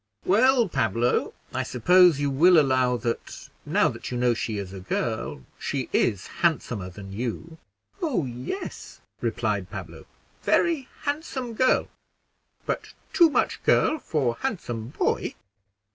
"Well, Pablo, I suppose you will allow that, now that you know she is a girl, she is handsomer than you?" "Oh yes," replied Pablo, "very handsome girl; but too much girl for handsome boy."